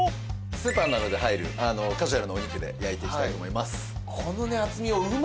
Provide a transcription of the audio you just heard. スーパーなどで入るカジュアルなお肉で焼いていきたいと思います。